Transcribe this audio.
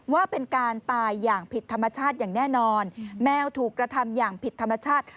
ว่าเป็นการตายอย่างผิดธรรมชาติอย่างแน่นอนแมวถูกกระทำอย่างผิดธรรมชาติ